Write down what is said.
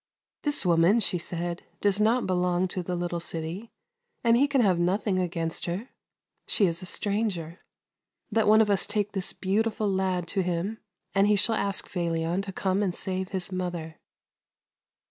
" This woman," she said, " does not belong to the little city, and he can have nothing against her ; she is a stranger. Let one of us take this beautiful lad to him, and he shall ask Felion to come and save his mother."